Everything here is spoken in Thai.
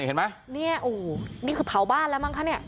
เห็นไหมเนี่ยโอ้โหนี่คือเผาบ้านแล้วมั้งคะเนี่ย